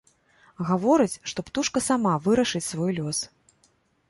Гаворыць, што птушка сама вырашыць свой лёс.